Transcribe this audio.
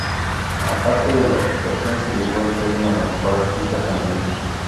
A parte de la actuación se llevó el premio a la mejor artista femenina.